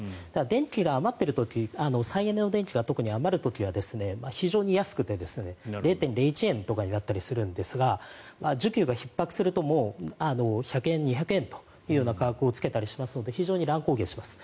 電気が余っている時再エネの電力が余る時は非常に安くて０．０１円とかになったりするんですが需給がひっ迫すると１００円、２００円という価格をつけたりしますので非常に乱高下します。